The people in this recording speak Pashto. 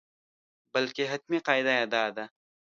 بلکې حتمي قاعده یې دا ده.